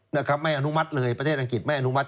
นะครับไม่อนุมัติเลยประเทศอังกฤษไม่อนุมัติ